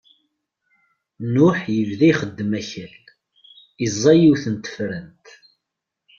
Nuḥ ibda ixeddem akal, iẓẓa yiwet n tfeṛṛant.